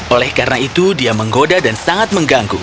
oleh karena itu dia menggoda dan sangat mengganggu